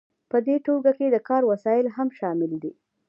په دې ټولګه کې د کار وسایل هم شامل دي.